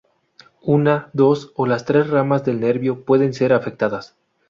Una, dos o las tres ramas del nervio pueden ser afectadas.